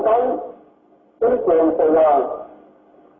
tướng viên quốc tướng trưởng sài gòn